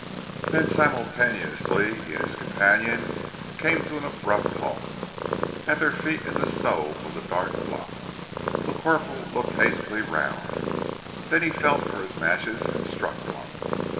Then simultaneously he and his companion came to an abrupt halt. At their feet in the snow was a dark blot. The corporal looked hastily round, then felt for his matches and struck one.